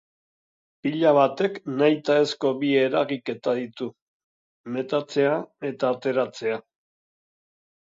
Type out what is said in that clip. Pila batek nahitaezko bi eragiketa ditu: metatzea eta ateratzea.